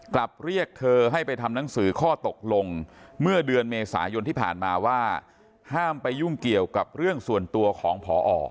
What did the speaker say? กลับเรียกเธอให้ไปทำหนังสือข้อตกลงเมื่อเดือนเมษายนที่ผ่านมาว่าห้ามไปยุ่งเกี่ยวกับเรื่องส่วนตัวของพอ